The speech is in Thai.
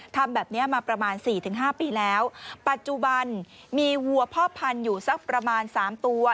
ทำแบบนี้มาประมาณสี่ถึงห้าปีแล้วปัจจุบันมีวัวพ่อพันธุ์อยู่สักประมาณสามตัว